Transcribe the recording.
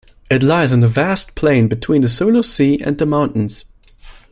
It lies in a vast plain between the Sulu Sea and the mountains.